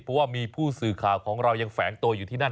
เพราะว่ามีผู้สื่อข่าวของเรายังแฝงตัวอยู่ที่นั่น